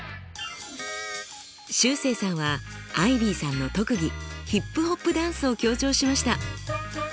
しゅうせいさんはアイビーさんの特技ヒップホップダンスを強調しました。